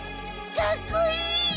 かっこいい！